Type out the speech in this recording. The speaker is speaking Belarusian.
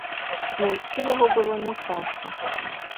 Знайсці яго было не цяжка.